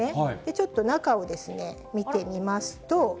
ちょっと中を見てみますと。